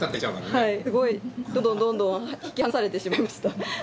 はいすごいどんどん引き離されてしまいました。